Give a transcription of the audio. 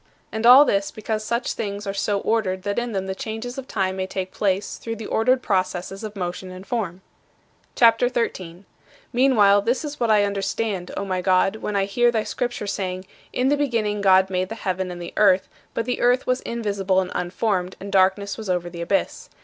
And all this because such things are so ordered that in them the changes of time may take place through the ordered processes of motion and form. CHAPTER XIII 16. Meanwhile this is what I understand, O my God, when I hear thy Scripture saying, "In the beginning God made the heaven and the earth, but the earth was invisible and unformed, and darkness was over the abyss."